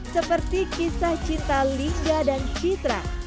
seperti kisah cinta linda dan citra